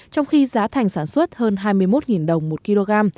trong khi giá thành sản xuất hơn hai mươi một đồng một kg